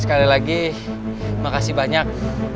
sekali lagi makasih banyak